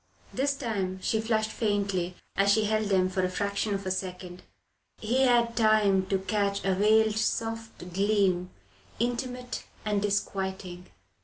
This time she flushed faintly as she held them for a fraction of a second. He had time to catch a veiled soft gleam intimate and disquieting.